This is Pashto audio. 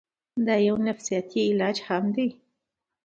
دا يو نفسياتي علاج هم دے